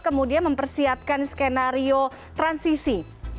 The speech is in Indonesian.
kemudian mempersiapkan skenario transisi